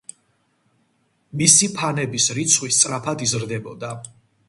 მისი ფანების რიცხვი სწრაფად იზრდებოდა.